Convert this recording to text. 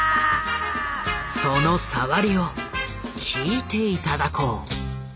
そのさわりを聴いて頂こう。